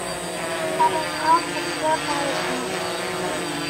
But his health was still delicate.